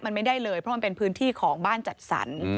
มันไม่ได้เลยเพราะมันเป็นพื้นที่ของบ้านจัดสรร